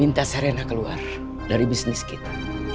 minta sarena keluar dari bisnis kita